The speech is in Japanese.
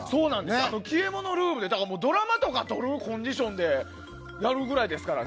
消えものルールでドラマとか撮るコンディションでやるぐらいですから。